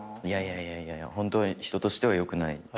いやいやいやいや人としては良くない。